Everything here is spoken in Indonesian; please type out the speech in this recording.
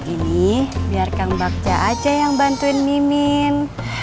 ini biar kang bagja aja yang bantuin mimin